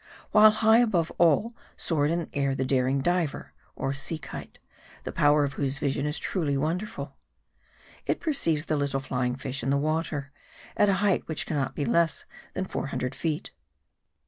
While high above all, soared in air the daring "Diver," or sea kite, the power of whose vision is truly wonderful. It perceives the little flying fish in the water, at a height which can not be less than four hundred feet.